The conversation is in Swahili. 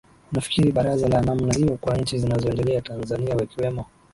unafikiri baraza la namna hiyo kwa nchi zinazoendelea tanzania ikiwemo